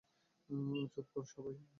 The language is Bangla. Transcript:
চুপ কর সবাই।